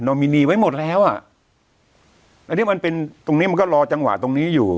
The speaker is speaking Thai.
มินีไว้หมดแล้วอ่ะอันนี้มันเป็นตรงนี้มันก็รอจังหวะตรงนี้อยู่